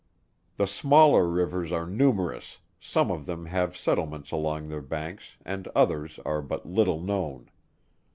The smaller rivers are numerous, some of them have settlements along their banks and others are but little known.